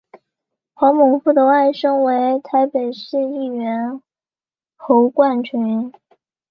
黄孟复的外甥为台北市议员侯冠群。